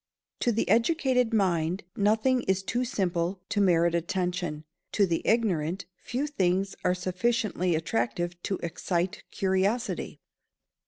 To the educated mind, nothing is too simple to merit attention. To the ignorant, few things are sufficiently attractive to excite curiosity.